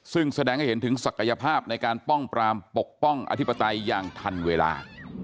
ซึ่งแสดงให้เห็นถึงศักยภาพในการป้องปรามปกป้องอธิปไตยอย่างทันเวลา